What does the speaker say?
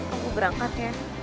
aku berangkat ya